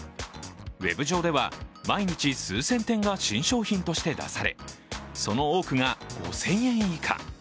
ウェブ上では毎日、数千点が新商品として出されその多くが５０００円以下。